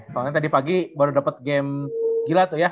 soalnya tadi pagi baru dapat game gila tuh ya